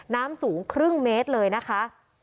น้ำสูงครึ่งเมตรเลยนะคะ